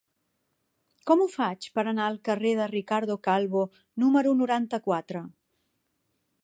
Com ho faig per anar al carrer de Ricardo Calvo número noranta-quatre?